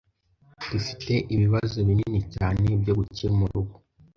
Dufite ibibazo binini cyane byo gukemura ubu.